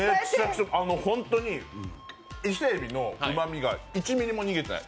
本当に伊勢えびのうまみが１ｍｍも逃げてない。